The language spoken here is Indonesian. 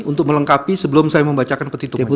untuk melengkapi sebelum saya membacakan petituk